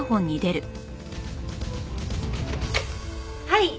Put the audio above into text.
はい。